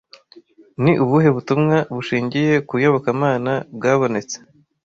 Ni ubuhe butumwa bushingiye ku Iyobokamana bwabonetse